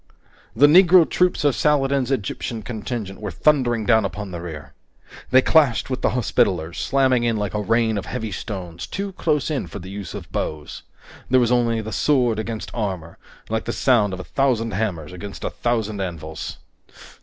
The Negro troops of Saladin's Egyptian contingent were thundering down upon the rear! They clashed with the Hospitallers, slamming in like a rain of heavy stones, too close in for the use of bows. There was only the sword against armor, like the sound of a thousand hammers against a thousand anvils.